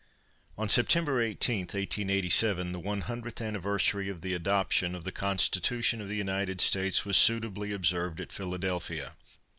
On September 18, 1887, the one hundredth anniversary of the adoption of the Constitution of the United States was suitably observed at Philadelphia.